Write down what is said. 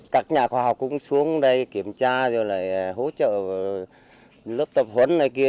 các nhà khoa học cũng xuống đây kiểm tra rồi lại hỗ trợ lớp tập huấn này kia